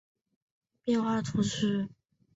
圣昂德雷德罗科龙格人口变化图示